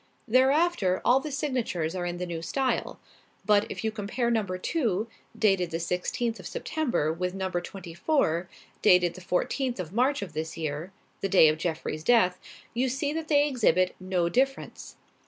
Thereafter all the signatures are in the new style; but, if you compare number two, dated the sixteenth of September with number twenty four, dated the fourteenth of March of this year the day of Jeffrey's death you see that they exhibit no difference.